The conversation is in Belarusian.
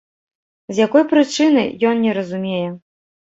З якой прычыны, ён не разумее.